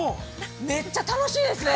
めっちゃ楽しいですね。